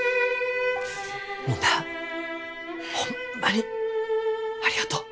みんなホンマにありがとう。